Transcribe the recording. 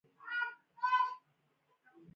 لومړۍ مسئله دا ده چې کارګر هره ورځ اته ساعته کار کوي